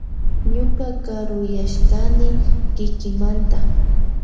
Ñuka karuyashkani kikimanta.